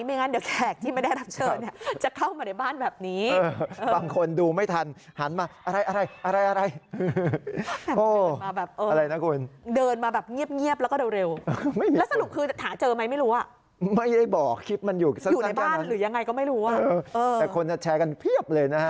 ไม่งั้นเดี๋ยวแขกที่ไม่ได้ทำเชิญ